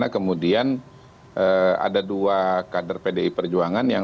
satu sebagai calon presiden satu sebagai calon wakil pdi perjuangan